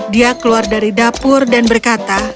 dia keluar dari dapur dan berkata